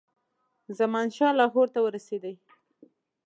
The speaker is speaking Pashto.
زمانشاه لاهور ته ورسېدی.